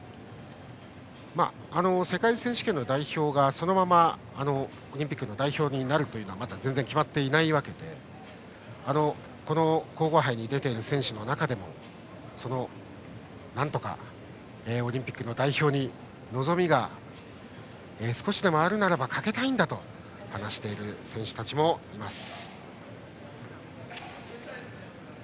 世界選手権の代表がそのままオリンピックの代表になるというのはまだ全然決まっていないわけで皇后杯に出ている選手の中でもなんとかオリンピックの代表に少しでもあるならば望みをかけたいんだと話している選手たちもいます。